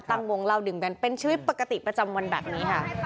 ตั้งวงเล่าดื่มกันเป็นชีวิตปกติประจำวันแบบนี้ค่ะ